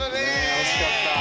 惜しかった。